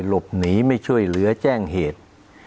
หลบหนีไม่ช่วยเหลือแจ้งเหตุ